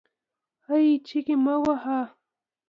هې ! چیغې مه واهه